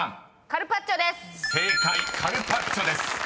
「カルパッチョ」です］